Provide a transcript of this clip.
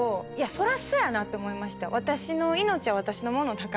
そりゃそやなって思いました。